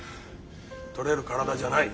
取れる体じゃない。